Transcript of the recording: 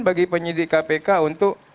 bagi penyidik kpk untuk